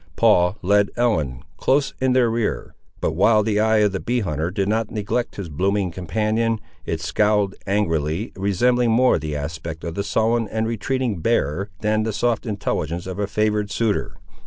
Paul led Ellen, close in their rear. But while the eye of the bee hunter did not neglect his blooming companion, it scowled angrily, resembling more the aspect of the sullen and retreating bear than the soft intelligence of a favoured suitor.